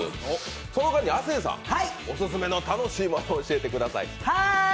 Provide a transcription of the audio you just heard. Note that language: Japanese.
その間に亜生さん、オススメの楽しいものを教えてください。